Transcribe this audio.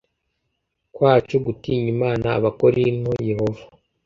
kwacu gutinya Imana Abakorinto Yehova